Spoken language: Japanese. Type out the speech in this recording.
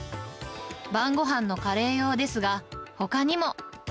晩ごはんのカレー用ですが、ほかにも。